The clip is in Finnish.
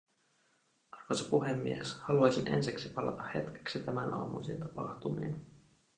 Arvoisa puhemies, haluaisin ensiksi palata hetkeksi tämänaamuisiin tapahtumiin.